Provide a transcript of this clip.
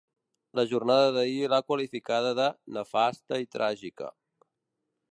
La jornada d’ahir l’ha qualificada de “nefasta i tràgica”.